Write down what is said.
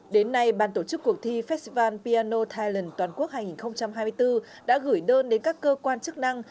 đến nay bàn tổ chức cuộc thi festival piano thailand toàn quốc hai nghìn hai mươi bốn đã gửi đơn đến các cơ quan chức năng